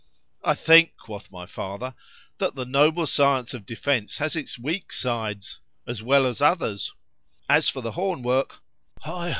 ——I think, quoth my father, that the noble science of defence has its weak sides——as well as others. —As for the horn work (high!